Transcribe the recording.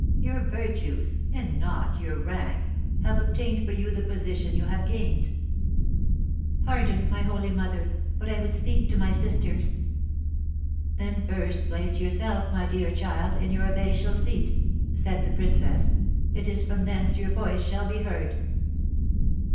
Your virtues, and not your rank, have obtained for you the position you have gained." Fleur de Marie, trembling, advanced a few steps, and said: "Pardon me, holy mother, but I would speak to my sisters." "Then first place yourself, my dear child, in your abbatial seat," said the princess; "it is from thence your voice shall be heard."